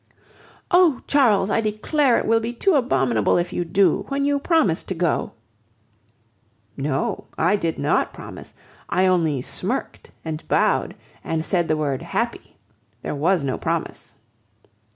"Oh! Charles, I declare it will be too abominable if you do, when you promised to go." "No, I did not promise. I only smirked and bowed, and said the word 'happy.' There was no promise."